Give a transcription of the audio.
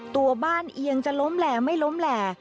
ตัวบ้านเอียงจะล้มแหล่ไม่ล้มแหล่